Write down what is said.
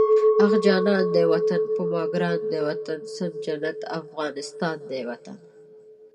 اخ جانان دی وطن، پر ما ګران دی وطن، سم جنت افغانستان دی وطن